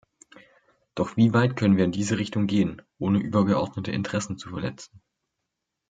Doch wie weit können wir in diese Richtung gehen, ohne übergeordnete Interessen zu verletzen?